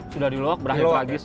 sudah diluak berakhir tragis